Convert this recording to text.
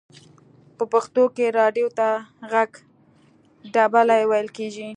په پښتو کې رادیو ته ژغ ډبلی ویل کیږی.